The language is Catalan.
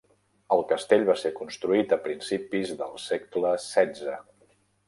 El castell va ser construït a principis del segle XVI.